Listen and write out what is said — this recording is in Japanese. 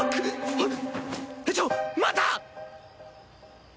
はっ。